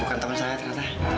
bukan teman saya ternyata